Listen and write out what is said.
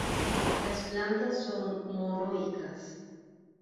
Las plantas son monoicas.